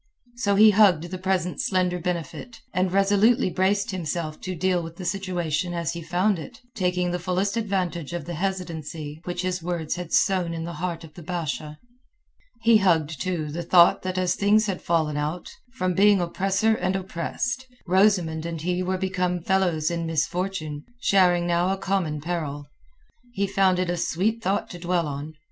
So he hugged the present slender benefit, and resolutely braced himself to deal with the situation as he found it, taking the fullest advantage of the hesitancy which his words had sown in the heart of the Basha. He hugged, too, the thought that as things had fallen out, from being oppressor and oppressed, Rosamund and he were become fellows in misfortune, sharing now a common peril. He found it a sweet thought to dwell on.